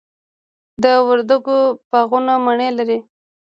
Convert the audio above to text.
د وردګو باغونه مڼې لري.